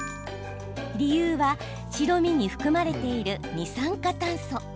理由は、白身に含まれている二酸化炭素。